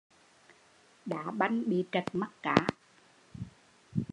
Đá banh bị trật mắt cá